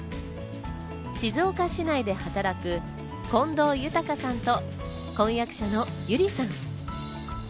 静岡市内で働く近藤優さんと婚約者の友理さん。